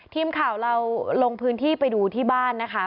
ทีมข่าวเราลงพื้นที่ไปดูที่บ้านนะคะ